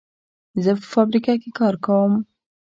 زه په فابریکه کې کار کوم.